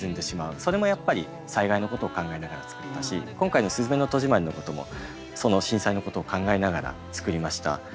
それもやっぱり災害のことを考えながら作ったし今回の「すずめの戸締まり」のこともその震災のことを考えながら作りました。